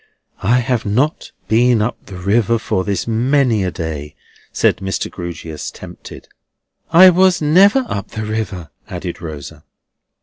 "I have not been up the river for this many a day," said Mr. Grewgious, tempted. "I was never up the river," added Rosa.